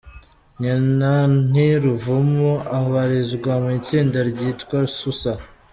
Nyina ni Ruvumu , abarizwa mu itsinda ryitwa Susa.